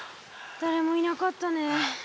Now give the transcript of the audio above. だれもいなかったね。